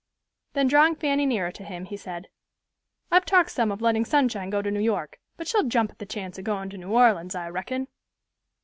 Then drawing Fanny nearer to him, he said, "I've talked some of letting Sunshine go to New York, but she'll jump at the chance of going to New Orleans, I reckon."